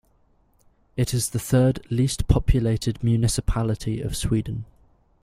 It is the third least populated municipality of Sweden.